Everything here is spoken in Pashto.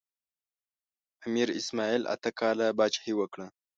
امیر اسماعیل اته کاله پاچاهي وکړه.